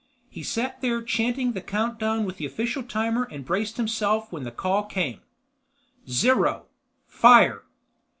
He sat there chanting the count down with the official timer and braced himself when the call came: "Zero! Fire!"